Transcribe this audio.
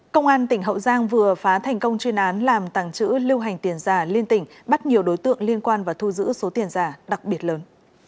công an tỉnh hậu giang vừa phá thành công chuyên án làm tàng trữ lưu hành tiền giả liên tỉnh bắt nhiều đối tượng liên quan và thu giữ số tiền giả đặc biệt lớn